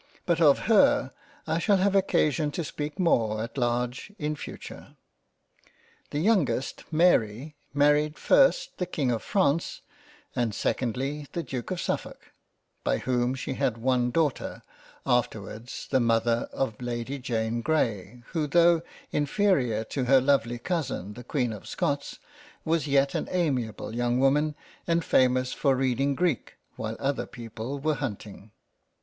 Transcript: But of her, I shall have occasion to speak more at large in future. The youngest, Mary, married first the King of France and secondly the D. of Suffolk, by whom she had one daughter, afterwards the Mother of Lady Jane Grey, who tho* inferior to her lovely Cousin the Queen of Scots, was yet an amiable young woman and famous for reading Greek while other people were hunting.